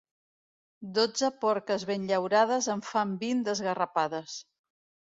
Dotze porques ben llaurades en fan vint d'esgarrapades.